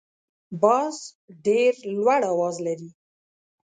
باز ډیر لوړ اواز لري